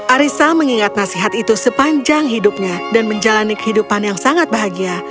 arissa mengingat nasihat itu sepanjang hidupnya dan menjalani kehidupan yang sangat bahagia